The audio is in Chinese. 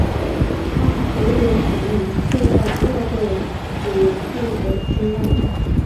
他何德何能受到诺贝尔委员会的青睐。